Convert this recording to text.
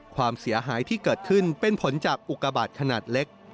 ความเสียหายที่เกิดขึ้นเป็นผลจากอุกาบาทขนาดเล็ก